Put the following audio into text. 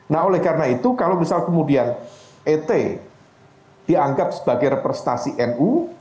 nah oleh karena itu kalau misal kemudian et dianggap sebagai representasi nu